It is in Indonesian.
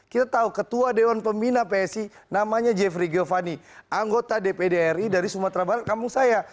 kita tahu ketua dewan pembina psi namanya jeffrey giovanni anggota dpd ri dari sumatera barat kampung saya